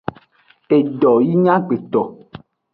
Edo yi nyi agbeto.